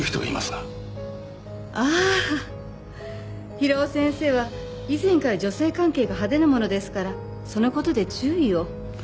ああ平尾先生は以前から女性関係が派手なものですからその事で注意を。